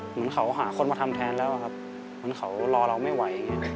เหมือนเขาหาคนมาทำแทนแล้วครับเหมือนเขารอเราไม่ไหวอย่างนี้